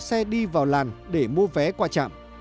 xe đi vào làn để mua vé qua trạm